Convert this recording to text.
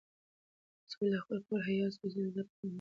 تاسو ولې د خپل کور حیا او سپېڅلی عزت په پام کې نه نیسئ؟